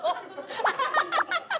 アハハハハ！